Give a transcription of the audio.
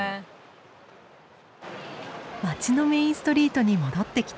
街のメインストリートに戻ってきた。